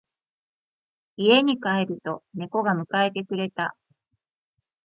家に帰ると猫が迎えてくれた。